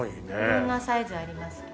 色んなサイズありますけど。